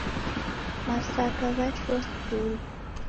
Masaka ghachua skulu.